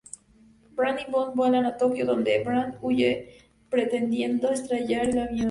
Brandt y Bond vuelan a Tokio, donde Brandt huye pretendiendo estrellar el avión.